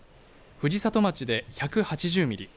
藤里町で１８０ミリ